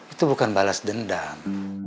itu bukan balas dendam